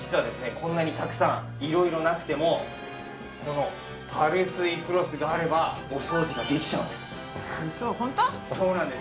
こんなにたくさん色々なくてもこのパルスイクロスがあればお掃除ができちゃうんです。